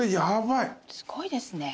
すごいですね。